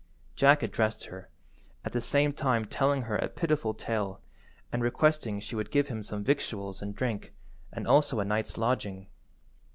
Jack addressed her, at the same time telling her a pitiful tale, and requesting she would give him some victuals and drink, and also a night's lodging.